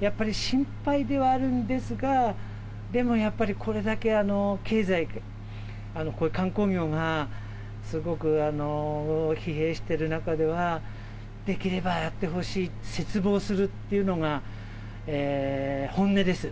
やっぱり心配ではあるんですが、でもやっぱりこれだけ経済、こういう観光業が、すごく疲弊している中では、できればやってほしい、切望するっていうのが本音です。